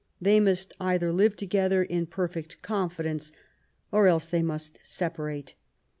They must either live together in perfect confidence, or else they must separate.